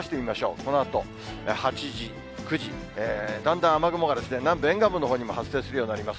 このあと、８時、９時、だんだん雨雲が南部、沿岸部のほうにも発生するようになります。